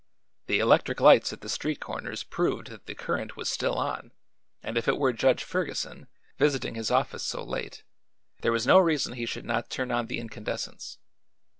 The electric lights at the street corners proved that the current was still on and if it were Judge Ferguson, visiting his office so late, there was no reason he should not turn on the incandescents.